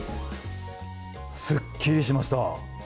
すっきりしました。